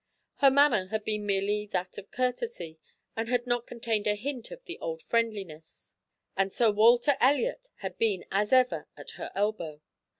Her manner had been merely that of courtesy, and had not contained a hint of the old friendliness; and Sir Walter Elliot had been, as ever, at her elbow.